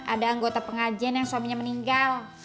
ada anggota pengajian yang suaminya meninggal